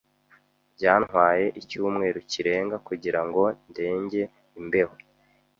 Byantwaye icyumweru kirenga kugira ngo ndenge imbeho.